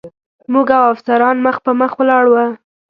موږ او افسران مخ په مخ ولاړ و.